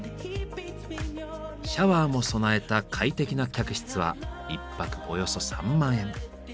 シャワーも備えた快適な客室は１泊およそ３万円。